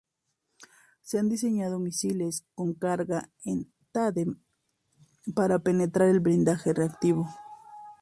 Se han diseñado misiles con carga en tándem para penetrar el blindaje reactivo.